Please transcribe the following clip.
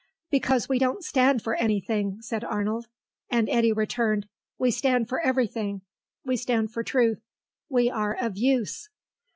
"Because we don't stand for anything," said Arnold, and Eddy returned, "We stand for everything. We stand for Truth. We are of Use."